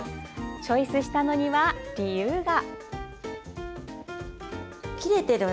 チョイスしたのには理由が。